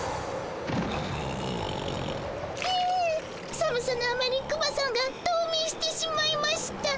寒さのあまりクマさんがとうみんしてしまいました。